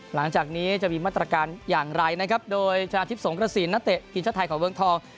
หลังจากนี้จะมีมาตรการอย่างไรนะครับโดยชาวอาทิพย์สงครสีนณเตะกินชาวไทยของเวืองทอง